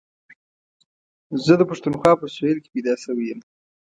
زه د پښتونخوا په سهېل کي پيدا شوی یم.